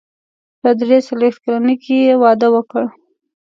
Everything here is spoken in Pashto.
په درې څلوېښت کلنۍ کې يې واده وکړ.